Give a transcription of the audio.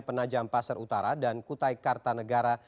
penajam pasar utara dan kutai karta negara